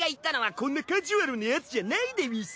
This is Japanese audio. こんなカジュアルなやつじゃないでうぃす。